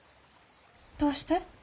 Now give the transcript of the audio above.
どうして？